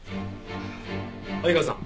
相川さん